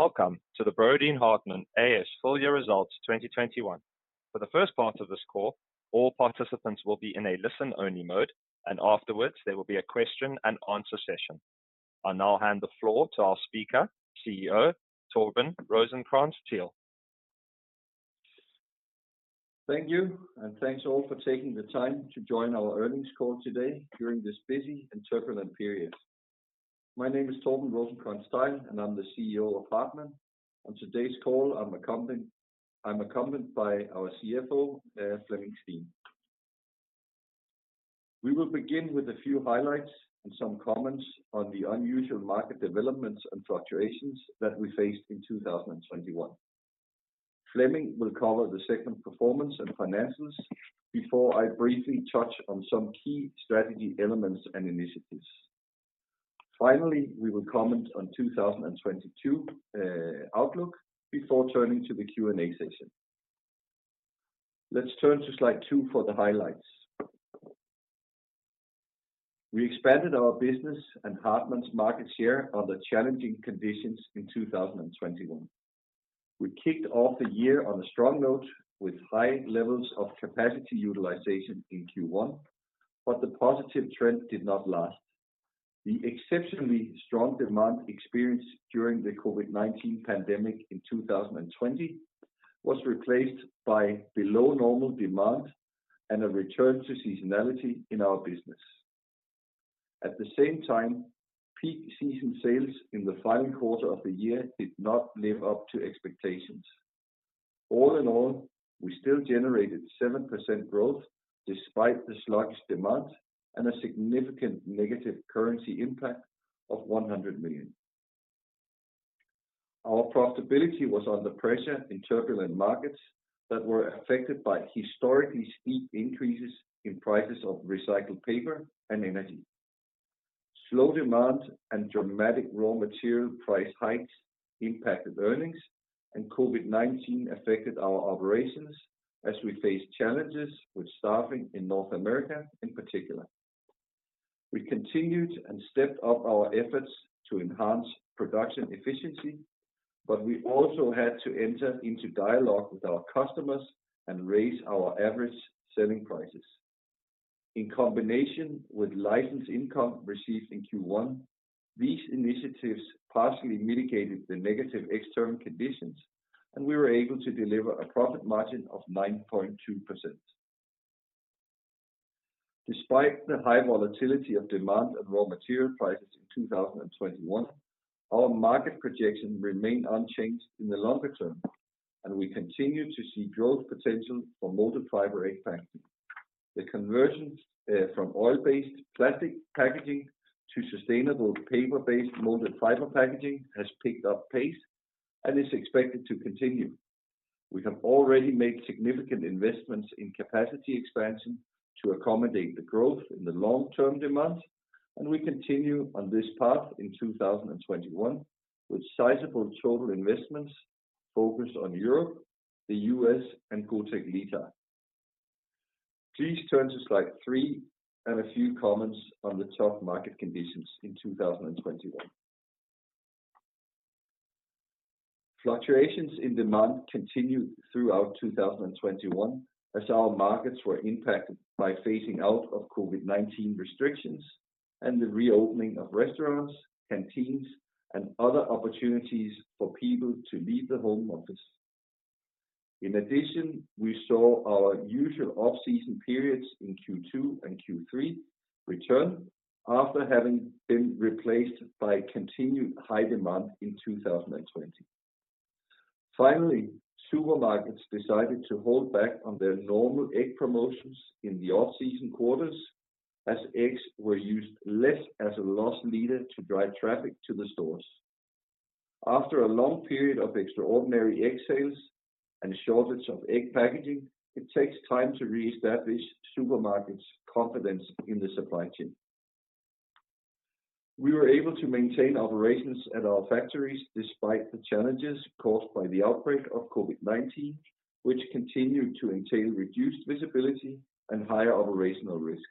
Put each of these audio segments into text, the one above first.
Welcome to the Brødrene Hartmann A/S Full Year Results 2021. For the first part of this call, all participants will be in a listen-only mode, and afterwards there will be a question and answer session. I'll now hand the floor to our speaker, CEO Torben Rosenkrantz-Theil. Thank you, and thanks all for taking the time to join our earnings call today during this busy and turbulent period. My name is Torben Rosenkrantz-Theil, and I'm the CEO of Hartmann. On today's call, I'm accompanied by our CFO, Flemming Steen. We will begin with a few highlights and some comments on the unusual market developments and fluctuations that we faced in 2021. Flemming will cover the segment performance and financials before I briefly touch on some key strategy elements and initiatives. Finally, we will comment on 2022 outlook before turning to the Q&A session. Let's turn to slide two for the highlights. We expanded our business and Hartmann's market share under challenging conditions in 2021. We kicked off the year on a strong note with high levels of capacity utilization in Q1, but the positive trend did not last. The exceptionally strong demand experienced during the COVID-19 pandemic in 2020 was replaced by below normal demand and a return to seasonality in our business. At the same time, peak season sales in the final quarter of the year did not live up to expectations. All in all, we still generated 7% growth despite the sluggish demand and a significant negative currency impact of 100 million. Our profitability was under pressure in turbulent markets that were affected by historically steep increases in prices of recycled paper and energy. Slow demand and dramatic raw material price hikes impacted earnings, and COVID-19 affected our operations as we faced challenges with staffing in North America in particular. We continued and stepped up our efforts to enhance production efficiency, but we also had to enter into dialogue with our customers and raise our average selling prices. In combination with license income received in Q1, these initiatives partially mitigated the negative external conditions, and we were able to deliver a profit margin of 9.2%. Despite the high volatility of demand and raw material prices in 2021, our market projection remained unchanged in the longer term, and we continue to see growth potential for molded fiber egg packaging. The conversions from oil-based plastic packaging to sustainable paper-based molded fiber packaging has picked up pace and is expected to continue. We have already made significant investments in capacity expansion to accommodate the growth in the long-term demand, and we continue on this path in 2021 with sizable total investments focused on Europe, the U.S., and Gotek-Litar. Please turn to slide three and a few comments on the tough market conditions in 2021. Fluctuations in demand continued throughout 2021 as our markets were impacted by phasing out of COVID-19 restrictions and the reopening of restaurants, canteens, and other opportunities for people to leave the home office. In addition, we saw our usual off-season periods in Q2 and Q3 return after having been replaced by continued high demand in 2020. Finally, supermarkets decided to hold back on their normal egg promotions in the off-season quarters as eggs were used less as a loss leader to drive traffic to the stores. After a long period of extraordinary egg sales and shortage of egg packaging, it takes time to reestablish supermarkets' confidence in the supply chain. We were able to maintain operations at our factories despite the challenges caused by the outbreak of COVID-19, which continued to entail reduced visibility and higher operational risk.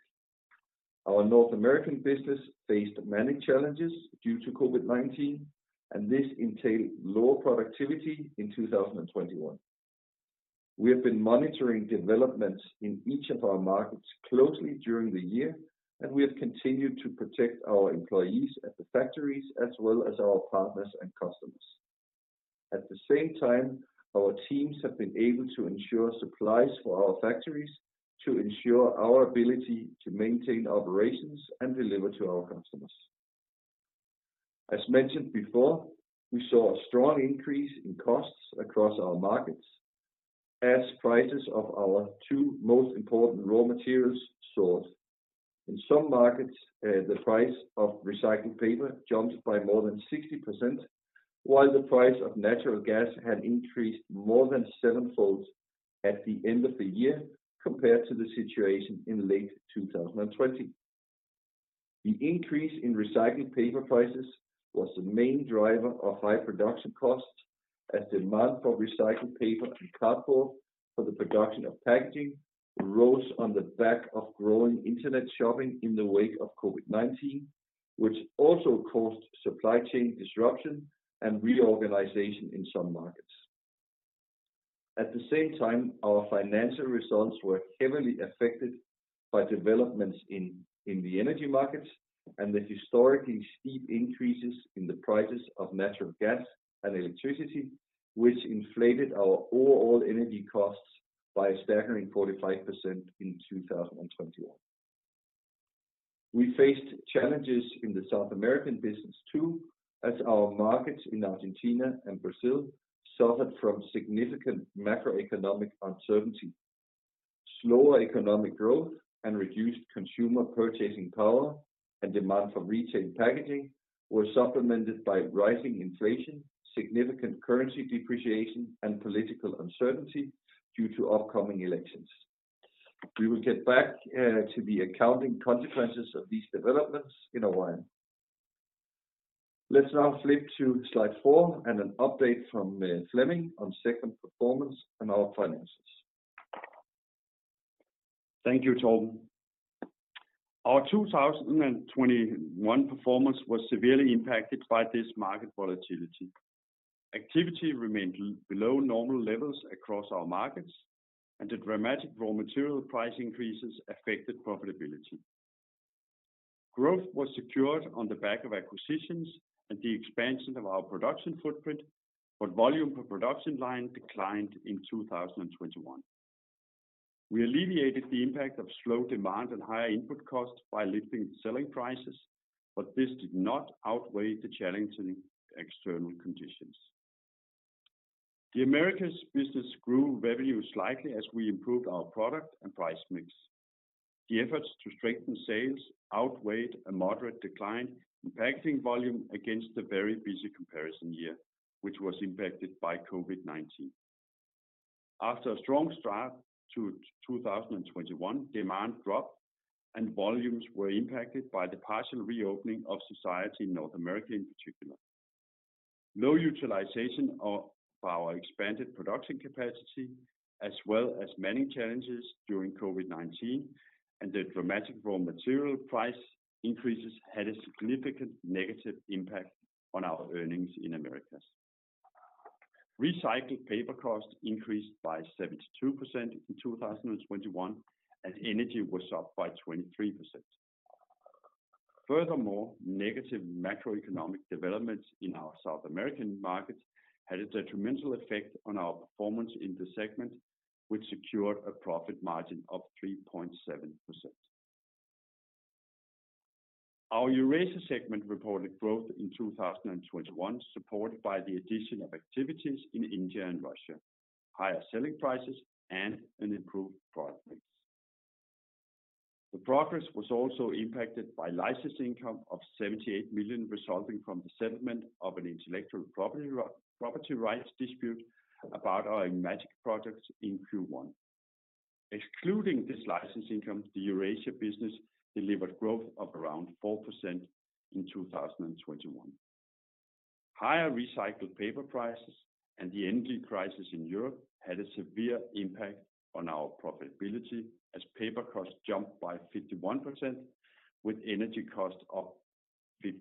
Our North American business faced many challenges due to COVID-19, and this entailed lower productivity in 2021. We have been monitoring developments in each of our markets closely during the year, and we have continued to protect our employees at the factories as well as our partners and customers. At the same time, our teams have been able to ensure supplies for our factories to ensure our ability to maintain operations and deliver to our customers. As mentioned before, we saw a strong increase in costs across our markets as prices of our two most important raw materials soared. In some markets, the price of recycled paper jumped by more than 60%, while the price of natural gas had increased more than sevenfold at the end of the year compared to the situation in late 2020. The increase in recycled paper prices was the main driver of high production costs. As demand for recycled paper and cardboard for the production of packaging rose on the back of growing internet shopping in the wake of COVID-19, which also caused supply chain disruption and reorganization in some markets. At the same time, our financial results were heavily affected by developments in the energy markets and the historically steep increases in the prices of natural gas and electricity, which inflated our overall energy costs by a staggering 45% in 2021. We faced challenges in the South American business, too, as our markets in Argentina and Brazil suffered from significant macroeconomic uncertainty. Slower economic growth and reduced consumer purchasing power and demand for retail packaging was supplemented by rising inflation, significant currency depreciation, and political uncertainty due to upcoming elections. We will get back to the accounting consequences of these developments in a while. Let's now flip to slide four and an update from Flemming on segment performance and our finances. Thank you, Torben. Our 2021 performance was severely impacted by this market volatility. Activity remained below normal levels across our markets, and the dramatic raw material price increases affected profitability. Growth was secured on the back of acquisitions and the expansion of our production footprint, but volume per production line declined in 2021. We alleviated the impact of slow demand and higher input costs by lifting selling prices, but this did not outweigh the challenging external conditions. The Americas business grew revenue slightly as we improved our product and price mix. The efforts to strengthen sales outweighed a moderate decline in packaging volume against the very busy comparison year, which was impacted by COVID-19. After a strong start to 2021, demand dropped and volumes were impacted by the partial reopening of society in North America in particular. Low utilization of our expanded production capacity, as well as many challenges during COVID-19 and the dramatic raw material price increases, had a significant negative impact on our earnings in Americas. Recycled paper costs increased by 72% in 2021, and energy was up by 23%. Furthermore, negative macroeconomic developments in our South American markets had a detrimental effect on our performance in the segment, which secured a profit margin of 3.7%. Our Eurasia segment reported growth in 2021, supported by the addition of activities in India and Russia, higher selling prices, and an improved product mix. The progress was also impacted by license income of 78 million resulting from the settlement of an intellectual property rights dispute about our imagic products in Q1. Excluding this license income, the Eurasia business delivered growth of around 4% in 2021. Higher recycled paper prices and the energy crisis in Europe had a severe impact on our profitability as paper costs jumped by 51% with energy costs up 58%.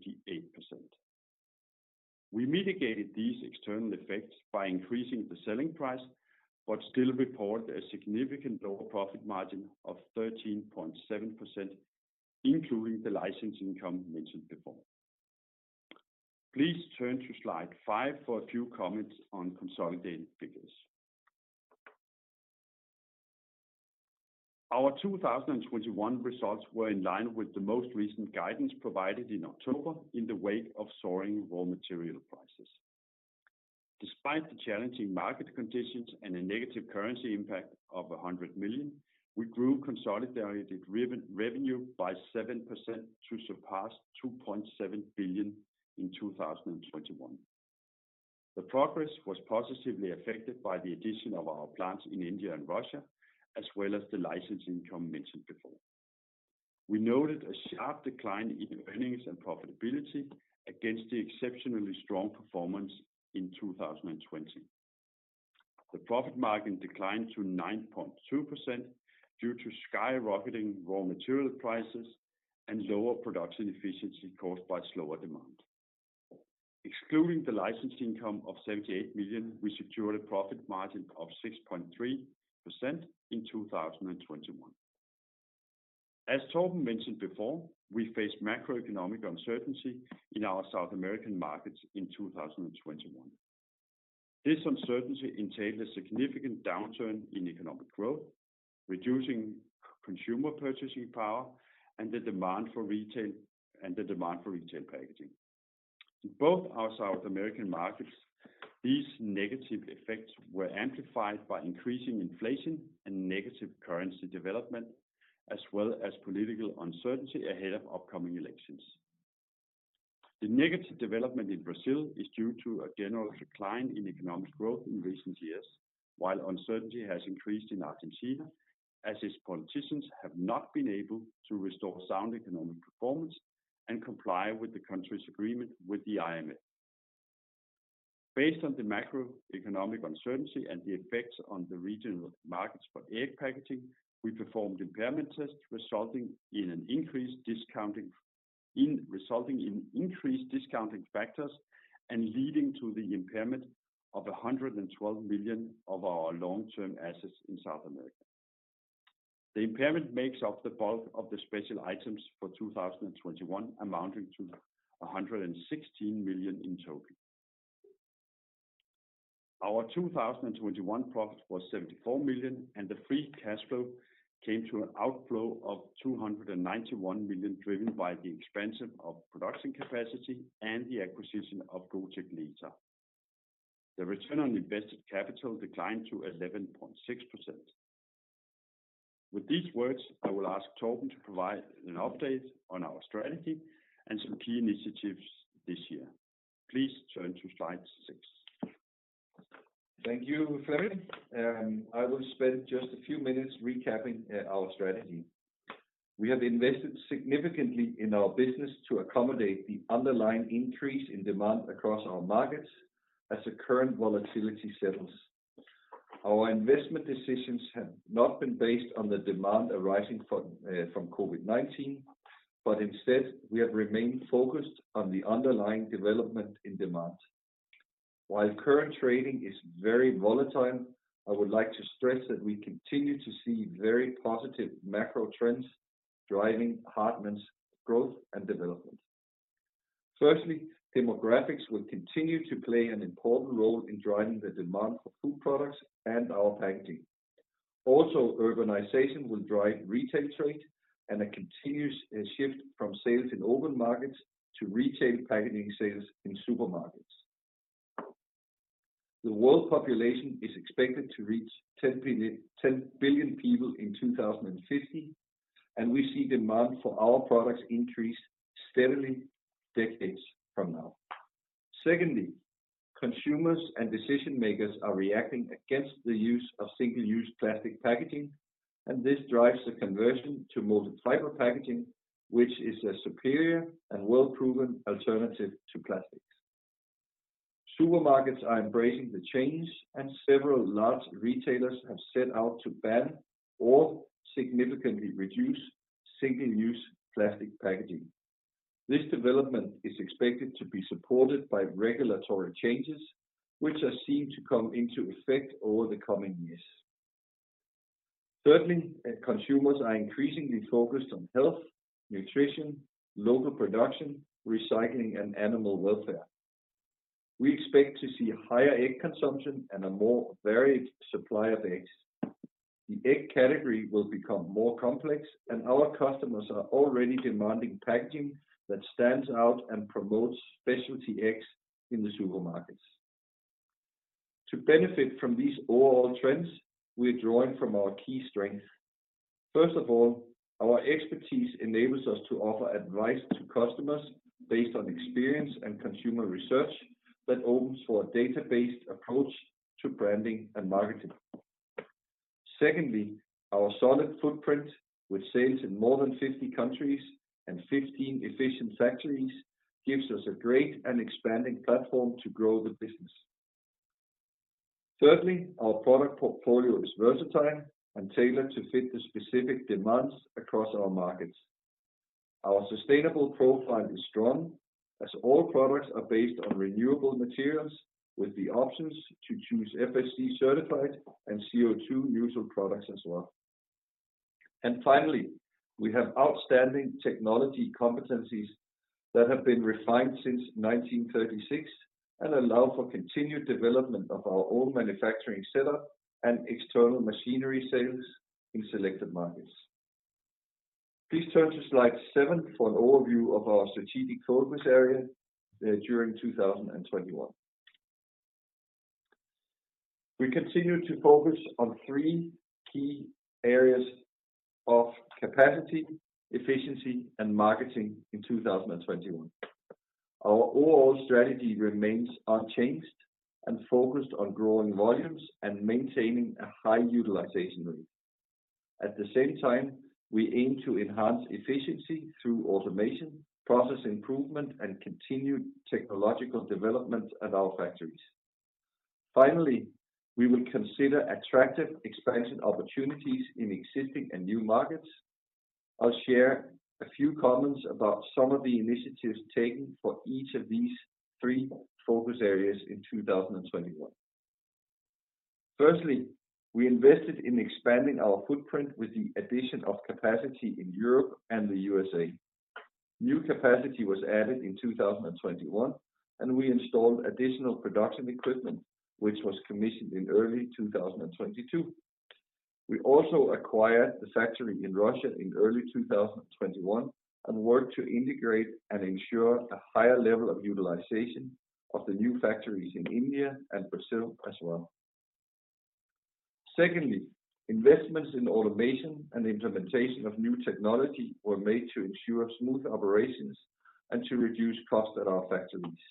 We mitigated these external effects by increasing the selling price, but still report a significant lower profit margin of 13.7%, including the license income mentioned before. Please turn to slide five for a few comments on consolidated figures. Our 2021 results were in line with the most recent guidance provided in October in the wake of soaring raw material prices. Despite the challenging market conditions and a negative currency impact of 100 million, we grew consolidated revenue by 7% to surpass 2.7 billion in 2021. The progress was positively affected by the addition of our plants in India and Russia, as well as the license income mentioned before. We noted a sharp decline in earnings and profitability against the exceptionally strong performance in 2020. The profit margin declined to 9.2% due to skyrocketing raw material prices and lower production efficiency caused by slower demand. Excluding the license income of 78 million, we secured a profit margin of 6.3% in 2021. As Torben mentioned before, we faced macroeconomic uncertainty in our South American markets in 2021. This uncertainty entailed a significant downturn in economic growth, reducing consumer purchasing power and the demand for retail, and the demand for retail packaging. In both our South American markets, these negative effects were amplified by increasing inflation and negative currency development, as well as political uncertainty ahead of upcoming elections. The negative development in Brazil is due to a general decline in economic growth in recent years, while uncertainty has increased in Argentina as its politicians have not been able to restore sound economic performance and comply with the country's agreement with the IMF. Based on the macroeconomic uncertainty and the effects on the regional markets for egg packaging, we performed impairment tests resulting in increased discounting factors and leading to the impairment of 112 million of our long-term assets in South America. The impairment makes up the bulk of the special items for 2021, amounting to 116 million in total. Our 2021 profit was 74 million, and the free cash flow came to an outflow of 291 million, driven by the expansion of production capacity and the acquisition of Gotek-Litar. The return on invested capital declined to 11.6%. With these words, I will ask Torben to provide an update on our strategy and some key initiatives this year. Please turn to slide six. Thank you, Flemming. I will spend just a few minutes recapping our strategy. We have invested significantly in our business to accommodate the underlying increase in demand across our markets as the current volatility settles. Our investment decisions have not been based on the demand arising from COVID-19, but instead, we have remained focused on the underlying development in demand. While current trading is very volatile, I would like to stress that we continue to see very positive macro trends driving Hartmann's growth and development. Firstly, demographics will continue to play an important role in driving the demand for food products and our packaging. Also, urbanization will drive retail trade and a continuous shift from sales in open markets to retail packaging sales in supermarkets. The world population is expected to reach 10 billion, 10 billion people in 2050, and we see demand for our products increase steadily decades from now. Secondly, consumers and decision-makers are reacting against the use of single-use plastic packaging, and this drives the conversion to molded-fiber packaging, which is a superior and well-proven alternative to plastics. Supermarkets are embracing the change, and several large retailers have set out to ban or significantly reduce single-use plastic packaging. This development is expected to be supported by regulatory changes, which are seen to come into effect over the coming years. Thirdly, consumers are increasingly focused on health, nutrition, local production, recycling, and animal welfare. We expect to see higher egg consumption and a more varied supply of eggs. The egg category will become more complex, and our customers are already demanding packaging that stands out and promotes specialty eggs in the supermarkets. To benefit from these overall trends, we are drawing from our key strengths. First of all, our expertise enables us to offer advice to customers based on experience and consumer research that opens for a data-based approach to branding and marketing. Secondly, our solid footprint, with sales in more than 50 countries and 15 efficient factories, gives us a great and expanding platform to grow the business. Thirdly, our product portfolio is versatile and tailored to fit the specific demands across our markets. Our sustainable profile is strong as all products are based on renewable materials with the options to choose FSC-certified and CO2 neutral products as well. Finally, we have outstanding technology competencies that have been refined since 1936 and allow for continued development of our own manufacturing setup and external machinery sales in selected markets. Please turn to slide seven for an overview of our strategic focus area during 2021. We continue to focus on three key areas of capacity, efficiency, and marketing in 2021. Our overall strategy remains unchanged and focused on growing volumes and maintaining a high utilization rate. At the same time, we aim to enhance efficiency through automation, process improvement, and continued technological development at our factories. Finally, we will consider attractive expansion opportunities in existing and new markets. I'll share a few comments about some of the initiatives taken for each of these three focus areas in 2021. Firstly, we invested in expanding our footprint with the addition of capacity in Europe and the USA. New capacity was added in 2021, and we installed additional production equipment, which was commissioned in early 2022. We also acquired the factory in Russia in early 2021 and worked to integrate and ensure a higher level of utilization of the new factories in India and Brazil as well. Secondly, investments in automation and implementation of new technology were made to ensure smooth operations and to reduce costs at our factories.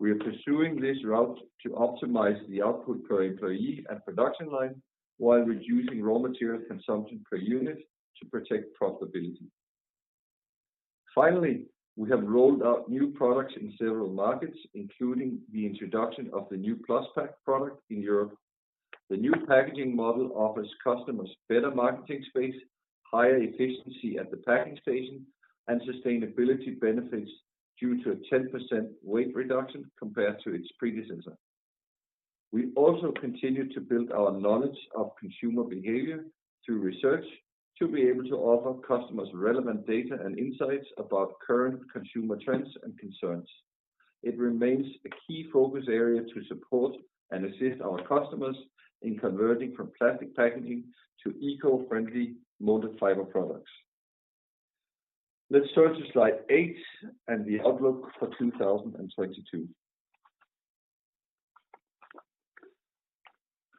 We are pursuing this route to optimize the output per employee and production line while reducing raw material consumption per unit to protect profitability. Finally, we have rolled out new products in several markets, including the introduction of the new Plus Pack product in Europe. The new packaging model offers customers better marketing space, higher efficiency at the packing station, and sustainability benefits due to a 10% weight reduction compared to its predecessor. We also continue to build our knowledge of consumer behavior through research to be able to offer customers relevant data and insights about current consumer trends and concerns. It remains a key focus area to support and assist our customers in converting from plastic packaging to eco-friendly molded fiber products. Let's turn to slide eight and the outlook for 2022.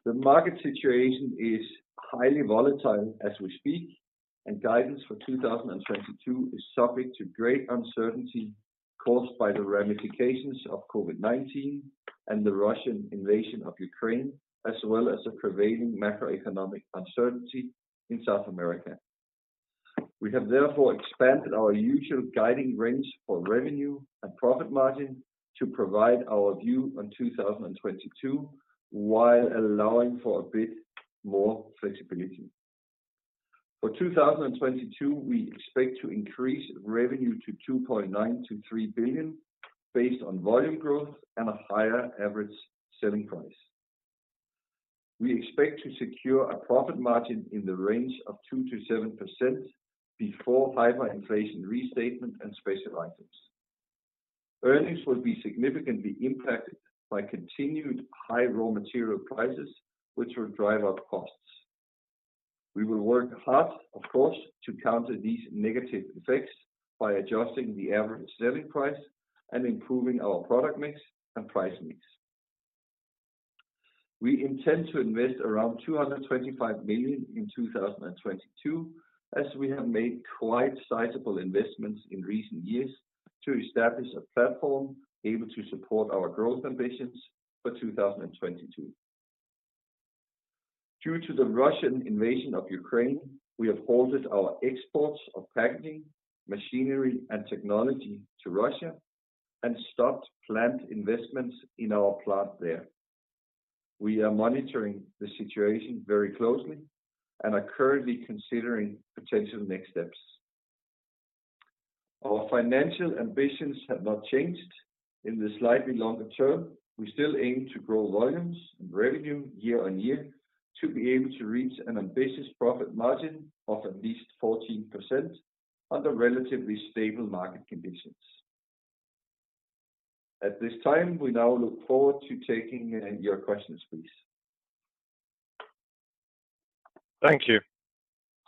The market situation is highly volatile as we speak, and guidance for 2022 is subject to great uncertainty caused by the ramifications of COVID-19 and the Russian invasion of Ukraine, as well as the prevailing macroeconomic uncertainty in South America. We have therefore expanded our usual guiding range for revenue and profit margin to provide our view on 2022, while allowing for a bit more flexibility. For 2022, we expect to increase revenue to 2.9 billion-3 billion based on volume growth and a higher average selling price. We expect to secure a profit margin in the range of 2%-7% before hyperinflation restatement and special items. Earnings will be significantly impacted by continued high raw material prices, which will drive up costs. We will work hard, of course, to counter these negative effects by adjusting the average selling price and improving our product mix and price mix. We intend to invest around 225 million in 2022, as we have made quite sizable investments in recent years to establish a platform able to support our growth ambitions for 2022. Due to the Russian invasion of Ukraine, we have halted our exports of packaging, machinery, and technology to Russia and stopped plant investments in our plant there. We are monitoring the situation very closely and are currently considering potential next steps. Our financial ambitions have not changed. In the slightly longer term, we still aim to grow volumes and revenue year-on-year to be able to reach an ambitious profit margin of at least 14% under relatively stable market conditions. At this time, we now look forward to taking your questions, please. Thank you.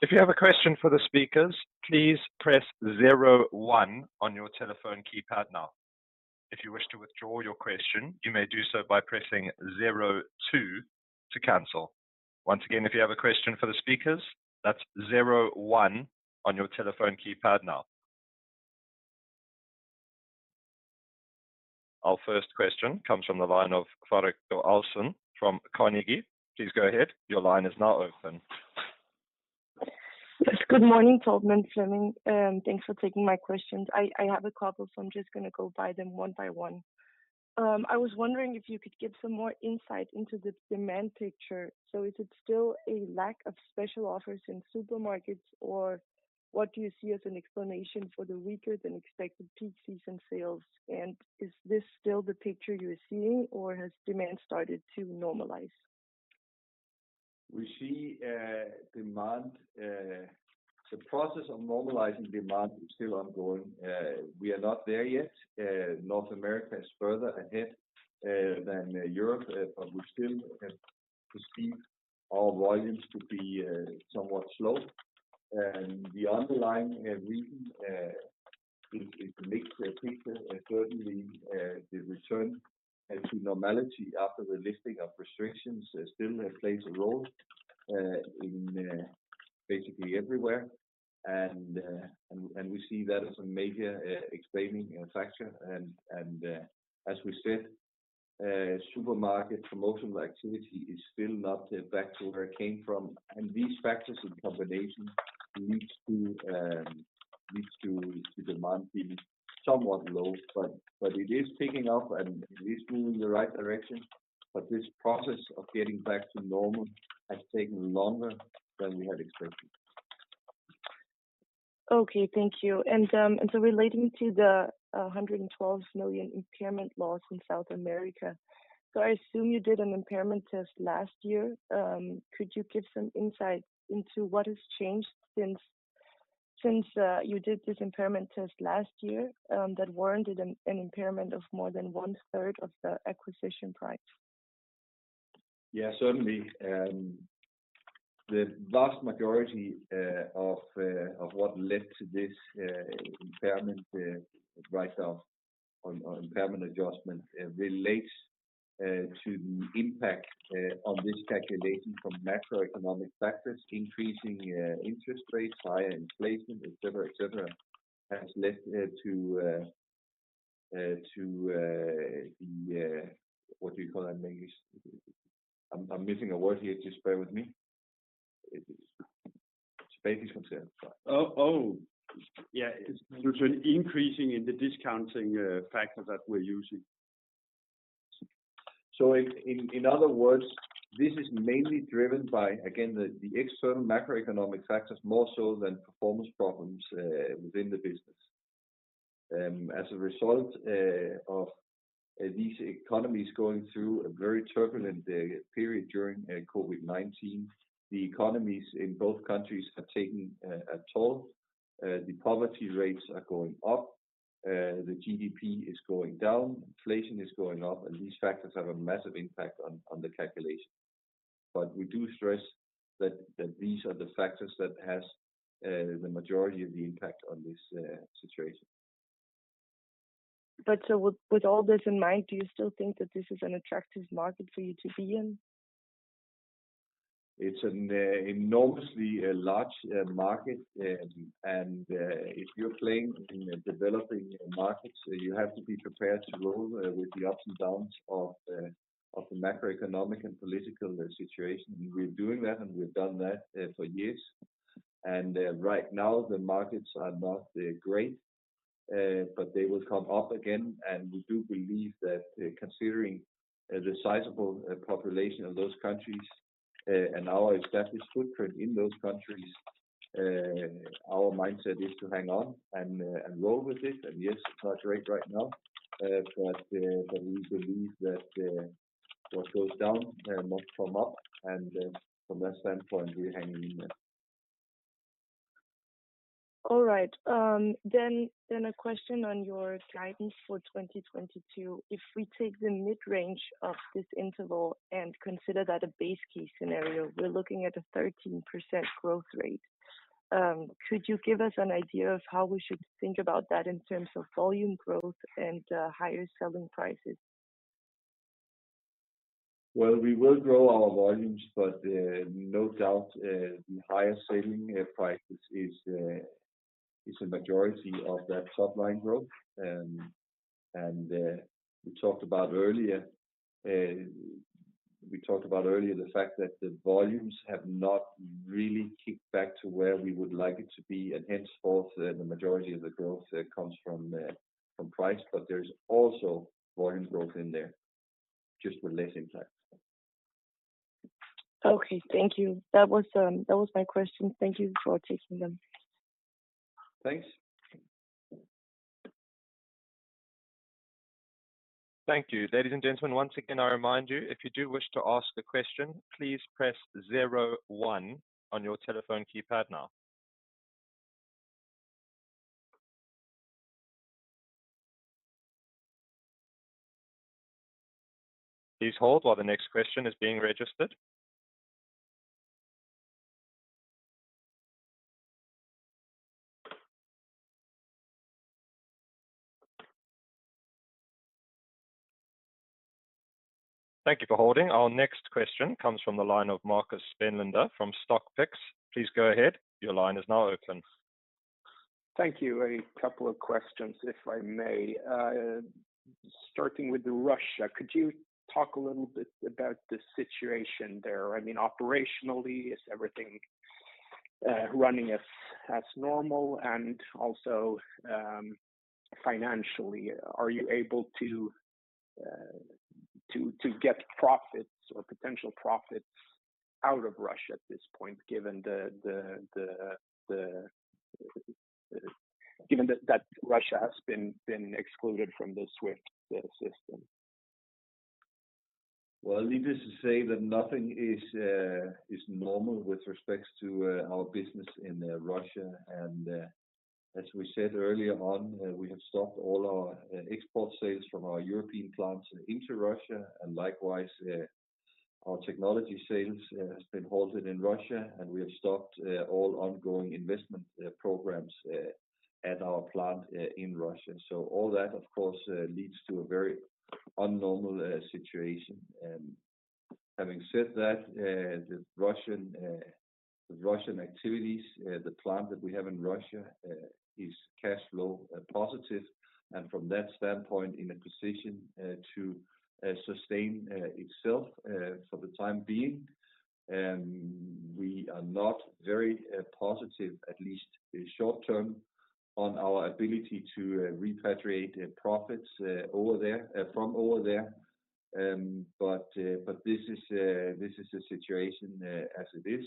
If you have a question for the speakers, please press zero one on your telephone keypad now. If you wish to withdraw your question, you may do so by pressing zero two to cancel. Once again, if you have a question for the speakers, that's zero one on your telephone keypad now. Our first question comes from the line of [Frederikke Alsøe] from Carnegie. Please go ahead. Your line is now open. Yes. Good morning, Torben, Flemming, and thanks for taking my questions. I have a couple, so I'm just gonna go by them one by one. I was wondering if you could give some more insight into the demand picture. Is it still a lack of special offers in supermarkets, or what do you see as an explanation for the weaker than expected peak season sales? And is this still the picture you're seeing, or has demand started to normalize? We see demand. The process of normalizing demand is still ongoing. We are not there yet. North America is further ahead than Europe, but we still have perceived our volumes to be somewhat slow. The underlying reason, it paints the picture certainly, the return to normality after the lifting of restrictions still plays a role in basically everywhere. We see that as a major explaining factor. As we said, supermarket promotional activity is still not back to where it came from. These factors in combination leads to demand being somewhat low. It is picking up, and it is moving in the right direction. This process of getting back to normal has taken longer than we had expected. Okay. Thank you. Relating to the 112 million impairment loss in South America, I assume you did an impairment test last year. Could you give some insight into what has changed since you did this impairment test last year that warranted an impairment of more than one third of the acquisition price? Yeah, certainly. The vast majority of what led to this impairment write-off or impairment adjustment relates to the impact on this calculation from macroeconomic factors, increasing interest rates, higher inflation, et cetera, et cetera, has led to the what do you call that in English? I'm missing a word here, just bear with me. It's Danish concern. Oh, oh. Yeah. It's an increase in the discounting factor that we're using. In other words, this is mainly driven by, again, the external macroeconomic factors more so than performance problems within the business. As a result of these economies going through a very turbulent period during COVID-19, the economies in both countries have taken a toll. The poverty rates are going up, the GDP is going down, inflation is going up, and these factors have a massive impact on the calculation. We do stress that these are the factors that has the majority of the impact on this situation. With all this in mind, do you still think that this is an attractive market for you to be in? It's an enormously large market. If you're playing in the developing markets, you have to be prepared to roll with the ups and downs of the macroeconomic and political situation. We're doing that, and we've done that for years. Right now the markets are not great, but they will come up again. We do believe that, considering a sizable population of those countries, and our established footprint in those countries, our mindset is to hang on and roll with it. Yes, it's not great right now, but we believe that what goes down must come up. From that standpoint, we're hanging in there. All right. A question on your guidance for 2022. If we take the mid-range of this interval and consider that a base case scenario, we're looking at a 13% growth rate. Could you give us an idea of how we should think about that in terms of volume growth and higher selling prices? Well, we will grow our volumes, but no doubt, the higher selling prices is a majority of that top line growth. We talked about earlier the fact that the volumes have not really kicked back to where we would like it to be, and henceforth, the majority of the growth comes from price. There's also volume growth in there, just with less impact. Okay. Thank you. That was my question. Thank you for taking them. Thanks. Thank you. Ladies and gentlemen, once again, I remind you, if you do wish to ask a question, please press zero one on your telephone keypad now. Please hold while the next question is being registered. Thank you for holding. Our next question comes from the line of Marcus Spendlander from Stock Picks. Please go ahead. Your line is now open. Thank you. A couple of questions, if I may. Starting with Russia, could you talk a little bit about the situation there? I mean, operationally, is everything running as normal? And also, financially, are you able to get profits or potential profits out of Russia at this point, given that Russia has been excluded from the SWIFT system? Well, needless to say that nothing is normal with respect to our business in Russia. As we said earlier on, we have stopped all our export sales from our European plants into Russia, and likewise, our technology sales has been halted in Russia, and we have stopped all ongoing investment programs at our plant in Russia. All that, of course, leads to a very abnormal situation. Having said that, the Russian activities, the plant that we have in Russia, is cash flow positive and from that standpoint in a position to sustain itself for the time being. We are not very positive, at least short term, on our ability to repatriate profits over there from over there. This is the situation as it is.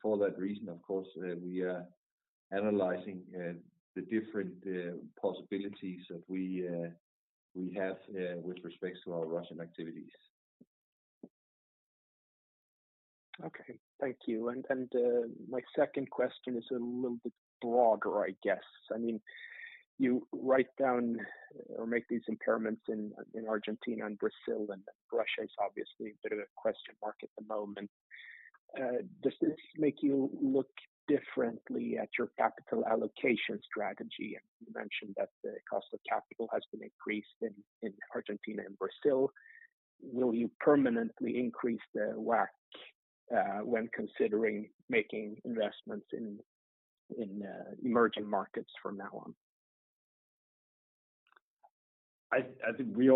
For that reason, of course, we are analyzing the different possibilities that we have with respect to our Russian activities. Okay. Thank you. My second question is a little bit broader, I guess. I mean, you write down or make these impairments in Argentina and Brazil, and Russia is obviously a bit of a question mark at the moment. Does this make you look differently at your capital allocation strategy? You mentioned that the cost of capital has been increased in Argentina and Brazil. Will you permanently increase the WACC when considering making investments in emerging markets from now on? I think we've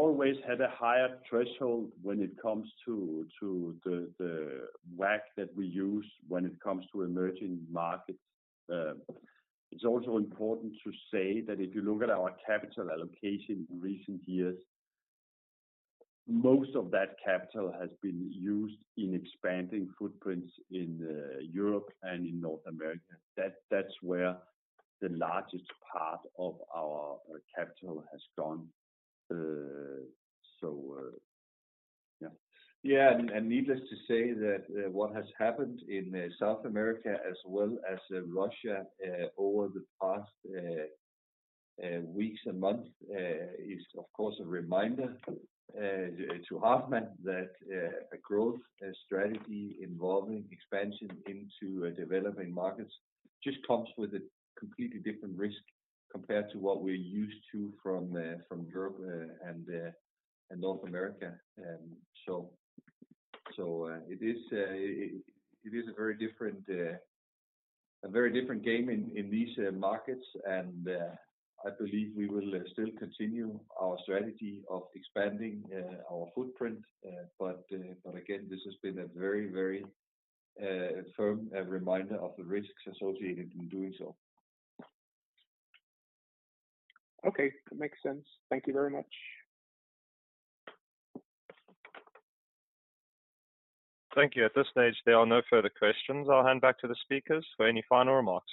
always had a higher threshold when it comes to the WACC that we use when it comes to emerging markets. It's also important to say that if you look at our capital allocation in recent years, most of that capital has been used in expanding footprints in Europe and in North America. That's where the largest part of our capital has gone. Needless to say that what has happened in South America as well as Russia over the past weeks and months is of course a reminder to Hartmann that a growth strategy involving expansion into developing markets just comes with a completely different risk compared to what we're used to from Europe and North America. It is a very different game in these markets. I believe we will still continue our strategy of expanding our footprint. This has been a very firm reminder of the risks associated in doing so. Okay, that makes sense. Thank you very much. Thank you. At this stage, there are no further questions. I'll hand back to the speakers for any final remarks.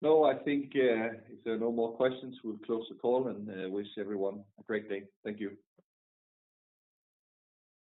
No, I think if there are no more questions, we'll close the call and wish everyone a great day. Thank you.